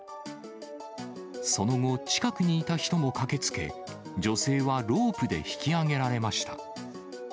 その後、近くにいた人も駆けつけ、女性はロープで引き上げられました。